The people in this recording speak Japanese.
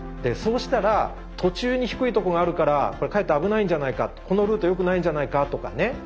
そうしたら途中に低いとこがあるからかえって危ないんじゃないかこのルート良くないんじゃないかとかね